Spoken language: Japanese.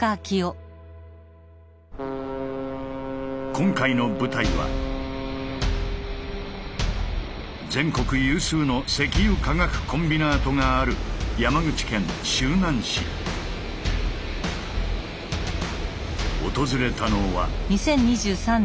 今回の舞台は全国有数の石油化学コンビナートがある訪れたのは。